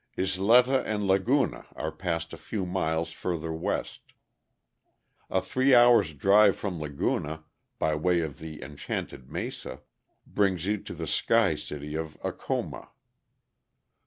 Isleta and Laguna are passed a few miles further west. A three hours' drive from Laguna, by way of the Enchanted Mesa, brings you to the sky city of Acoma.